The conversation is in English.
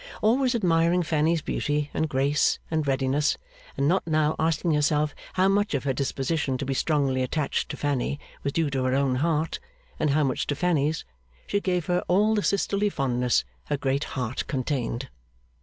Always admiring Fanny's beauty, and grace, and readiness, and not now asking herself how much of her disposition to be strongly attached to Fanny was due to her own heart, and how much to Fanny's, she gave her all the sisterly fondness her great heart contained.